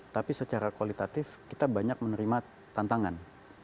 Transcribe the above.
tapi secara kualitatif kita banyak menerima tantangan